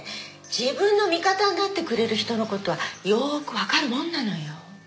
自分の味方になってくれる人の事はよくわかるもんなのよ。